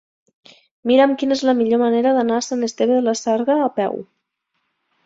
Mira'm quina és la millor manera d'anar a Sant Esteve de la Sarga a peu.